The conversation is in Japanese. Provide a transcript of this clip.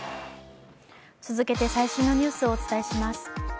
続けて最新のニュースをお伝えします。